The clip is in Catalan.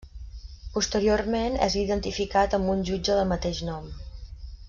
Posteriorment és identificat amb un jutge del mateix nom.